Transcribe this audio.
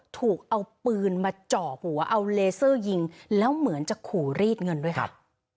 ถูกเอาปืนมาเจาะหัวเอาเลเซอร์ยิงแล้วเหมือนจะขู่รีดเงินด้วยครับ